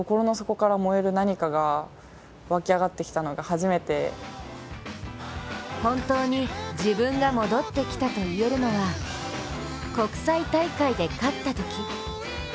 それでも彼女は本当に、自分が戻ってきたといえるのは国際大会で勝ったとき。